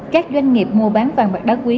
các doanh nghiệp mua bán vàng bạc đá quý